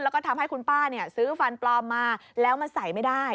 แล้วก็ทำให้คุณป้าซื้อฟันปลอมมาแล้วมาใส่ไม่ได้